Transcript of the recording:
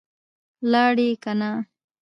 لاړې که نه؟